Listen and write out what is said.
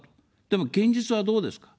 でも現実はどうですか。